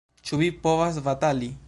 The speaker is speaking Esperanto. Ĉu vi povas batali?